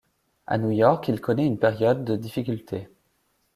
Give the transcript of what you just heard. À New York, il connaît une période de difficultés.